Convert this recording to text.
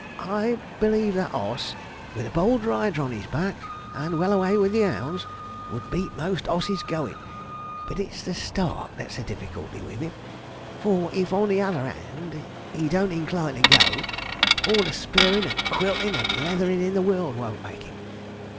'I believe that oss, with a bold rider on his back, and well away with the 'ounds, would beat most osses goin', but it's the start that's the difficulty with him; for if, on the other 'and, he don't incline to go, all the spurrin', and quiltin', and leatherin' in the world won't make 'im.